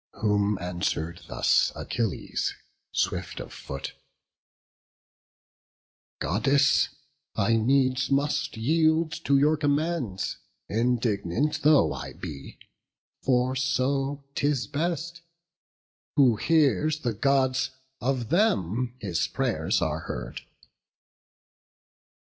Whom answer'd thus Achilles, swift of foot: "Goddess, I needs must yield to your commands, Indignant though I be—for so 'tis best; Who hears the Gods, of them his pray'rs are heard."